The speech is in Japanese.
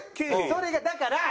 それがだから。